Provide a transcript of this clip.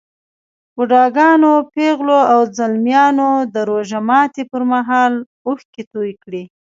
بوډاګانو، پېغلو او ځلمیانو د روژه ماتي پر مهال اوښکې توی کړې.